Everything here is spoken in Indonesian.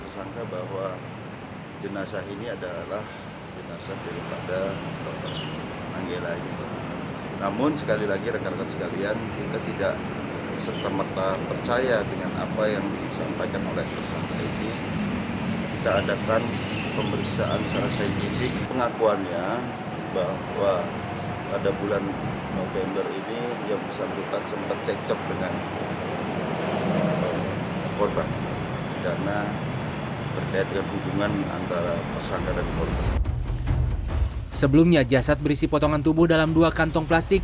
sebelumnya jasad berisi potongan tubuh dalam dua kantong plastik